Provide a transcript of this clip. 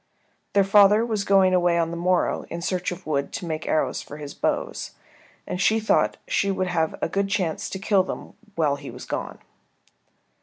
Their father was going away on the morrow in search of wood to make arrows for his bows, and she thought she would have a good chance to kill them while he was gone.